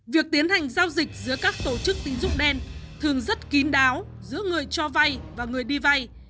việc tiến hành giao dịch giữa các tổ chức tín dụng đen thường rất kín đáo giữa người cho vay và người đi vay